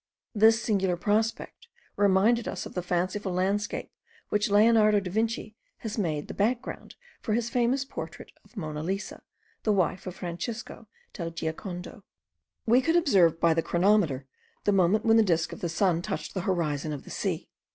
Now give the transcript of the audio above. This singular prospect reminded us of the fanciful landscape which Leonardo da Vinci has made the back ground of his famous portrait of Mona Lisa, the wife of Francisco del Giacondo. We could observe by the chronometer the moment when the disk of the sun touched the horizon of the sea.